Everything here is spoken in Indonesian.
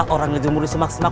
orang ngejemurin semak semak